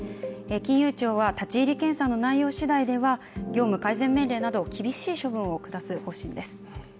金融庁は立ち入り検査の内容次第では業務改善命令など厳しい処分を下す方針です。